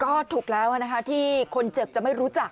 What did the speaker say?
ก็ถูกแล้วนะคะที่คนเจ็บจะไม่รู้จัก